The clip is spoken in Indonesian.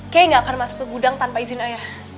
kay nggak akan masuk ke gudang tanpa izin ayah